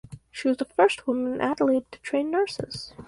She was the first woman in Adelaide to train nurses.